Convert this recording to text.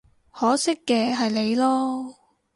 可惜嘅係你囉